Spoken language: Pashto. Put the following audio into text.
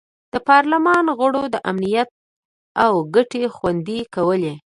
د پارلمان غړو د امنیت او ګټې خوندي کولې.